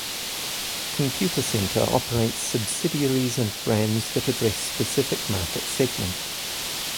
Computacenter operates subsidiaries and brands that address specific market segments.